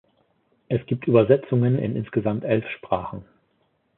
Es gibt Übersetzungen in insgesamt elf Sprachen.